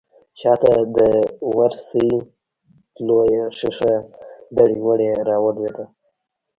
شا ته د ورسۍ لويه شيشه دړې وړې راولوېده.